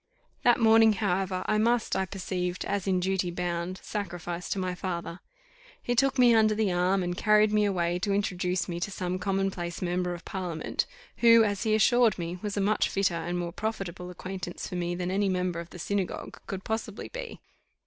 That morning, however, I must, I perceived, as in duty bound, sacrifice to my father; he took me under the arm, and carried me away to introduce me to some commonplace member of parliament, who, as he assured me, was a much fitter and more profitable acquaintance for me than any member of the synagogue could possibly be.